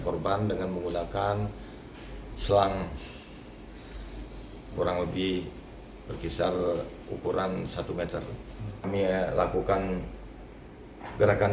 korban dengan menggunakan selang kurang lebih berkisar ukuran satu meter kami lakukan gerakan